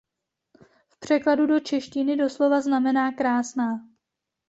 V překladu do češtiny doslova znamená krásná.